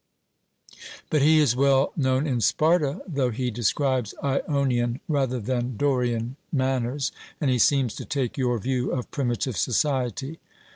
'But he is well known in Sparta, though he describes Ionian rather than Dorian manners, and he seems to take your view of primitive society.'